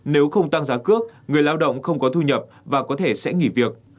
nếu không tăng giá cước người lao động không có thu nhập và có thể sẽ nghỉ việc